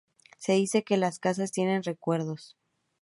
Se dice que las casas tienen recuerdos.